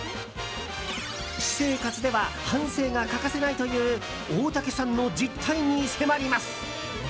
私生活では反省が欠かせないという大竹さんの実態に迫ります。